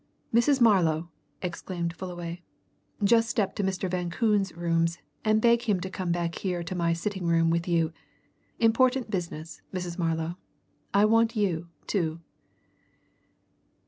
"Mrs. Marlow!" exclaimed Fullaway. "Just step to Mr. Van Koon's rooms and beg him to come back here to my sitting room with you important business, Mrs. Marlow I want you, too."